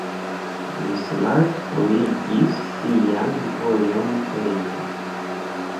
Bismarck pluigis sian vojon hejme.